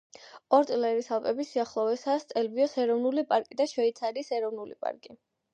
ორტლერის ალპების სიახლოვესაა სტელვიოს ეროვნული პარკი და შვეიცარიის ეროვნული პარკი.